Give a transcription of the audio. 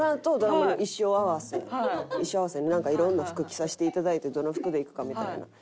衣装合わせでなんかいろんな服着させていただいてどの服でいくかみたいな。